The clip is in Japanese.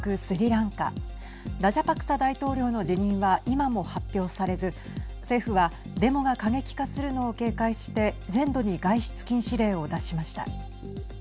ラジャパクサ大統領の辞任は今も発表されず、政府はデモが過激化するのを警戒して全土に外出禁止令を出しました。